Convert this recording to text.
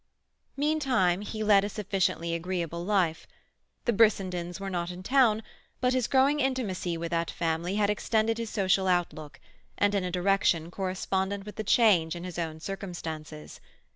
Meantime, he led a sufficiently agreeable life. The Brissendens were not in town, but his growing intimacy with that family had extended his social outlook, and in a direction correspondent with the change in his own circumstances.